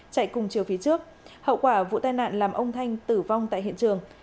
chạy cùng chiều phía trước hậu quả vụ tai nạn làm ông thanh tử vong tại hiện trường